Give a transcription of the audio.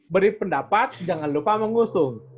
beri pendapat jangan lupa mengusung